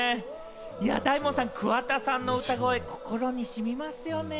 大門さん、桑田さんの歌声、心にしみますよねぇ。